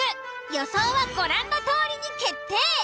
予想はご覧のとおりに決定。